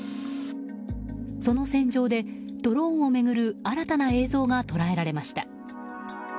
その戦場でドローンを巡る新たな映像が捉えられました。